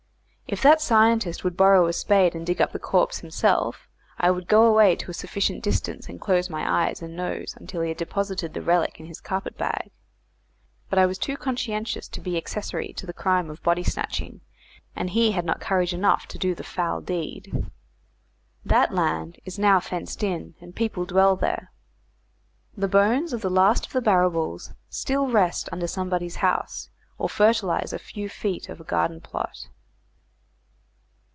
If that scientist would borrow a spade and dig up the corpse himself, I would go away to a sufficient distance and close my eyes and nose until he had deposited the relic in his carpet bag. But I was too conscientious to be accessory to the crime of body snatching, and he had not courage enough to do the foul deed. That land is now fenced in, and people dwell there. The bones of the last of the Barrabools still rest under somebody's house, or fertilise a few feet of a garden plot.